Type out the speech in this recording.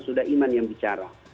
sudah iman yang bicara